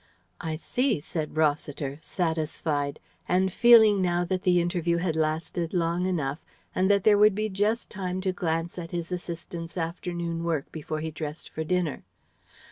"I see," said Rossiter, satisfied, and feeling now that the interview had lasted long enough and that there would be just time to glance at his assistant's afternoon work before he dressed for dinner....